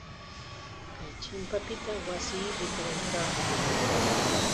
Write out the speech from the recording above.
Kay chimpapita wasii rikakanmi.